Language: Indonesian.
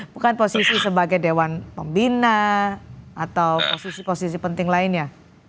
bukan posisi sebagai dewan pembina atau posisi posisi penting lainnya